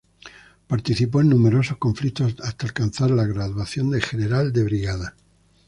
Participó en numerosos conflictos hasta alcanzar la graduación de general de brigada.